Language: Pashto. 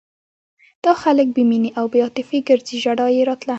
دا خلک بې مینې او بې عاطفې ګرځي ژړا یې راتله.